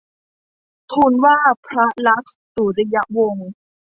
ทูลว่าพระลักษมณ์สุริยวงศ์